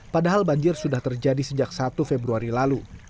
padahal banjir sudah terjadi sejak satu februari lalu